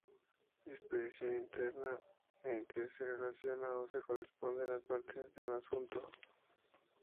Disposición interna en que se relacionan o se corresponden las partes de un asunto.